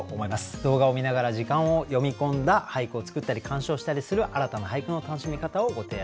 動画を観ながら時間を詠み込んだ俳句を作ったり鑑賞したりする新たな俳句の楽しみ方をご提案させて頂きます。